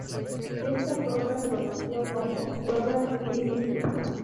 Esta prueba se conoció como "Prueba Trinity".